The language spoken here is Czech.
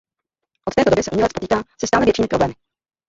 Od této doby se umělec potýká se stále většími problémy.